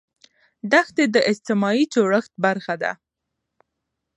دښتې د اجتماعي جوړښت برخه ده.